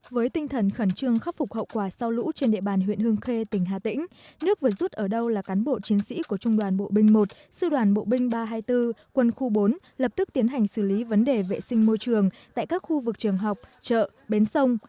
với tinh thần khẩn trương khắc phục hậu quả sau lũ trên địa bàn huyện hương khê tỉnh hà tĩnh nước vừa rút ở đâu là cán bộ chiến sĩ của trung đoàn bộ binh một sư đoàn bộ binh ba trăm hai mươi bốn quân khu bốn lập tức tiến hành xử lý vấn đề vệ sinh môi trường tại các khu vực trường học chợ bến sông